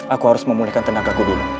aku harus memulihkan tenagaku dulu